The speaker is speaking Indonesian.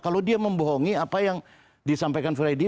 kalau dia membohongi apa yang disampaikan freddy